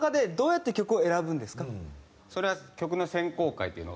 それは曲の選考会っていうのがちゃんと。